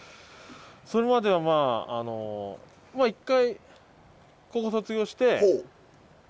それまではまあ一回高校卒業してまあ東京に。